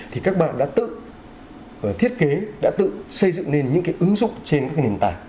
thì các bạn đã tự thiết kế đã tự xây dựng nên những cái ứng dụng trên các nền tảng